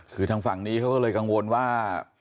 คือทางฝั่งนี้เขาก็เลยกังวลว่า